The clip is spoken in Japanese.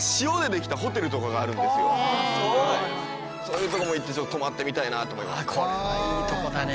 そういうとこも行ってちょっと泊まってみたいなと思いますね。